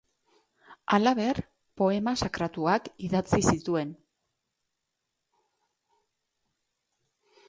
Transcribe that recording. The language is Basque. Halaber, poema sakratuak idatzi zituen.